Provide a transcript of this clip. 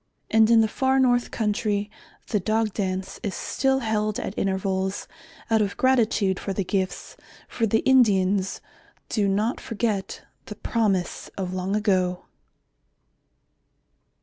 And in the far north country, the Dog Dance is still held at intervals out of gratitude for the gifts, for the Indians do not forget the promise of long ago.